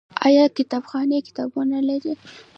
آیا کتابخانې کتابونه لري؟